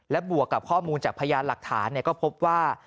และบวกกับข้อมูลจากพยานหลักฐานก็พบว่า